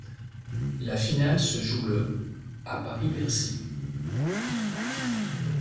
La finale se joue le à Paris-Bercy.